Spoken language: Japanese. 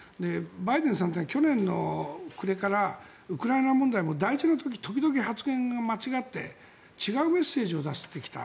バイデンさんは去年の暮れからウクライナ問題も大事な時に時々発言が間違って違うメッセージを出してきた。